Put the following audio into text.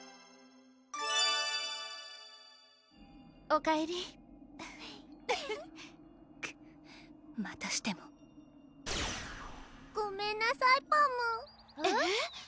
おかえりフフックッまたしてもごめんなさいパムえっ？